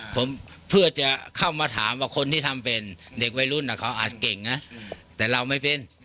ผมเพื่อจะเข้ามาถามว่าคนที่ทำเป็นเด็กวัยรุ่นเขาอาจเก่งนะแต่เราไม่เป็น